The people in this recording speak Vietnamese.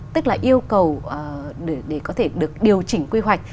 tức là yêu cầu để có thể được điều chỉnh quy hoạch